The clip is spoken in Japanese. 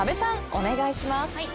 お願いします。